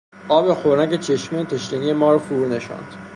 آب خنک چشمه تشنگی ما را فرونشاند.